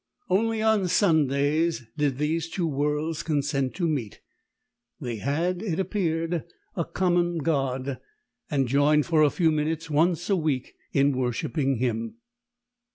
Only on Sundays did these two worlds consent to meet. They had, it appeared, a common God, and joined for a few minutes once a week in worshipping Him.